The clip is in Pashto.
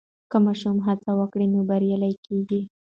که ماشوم هڅه وکړي نو بریالی کېږي.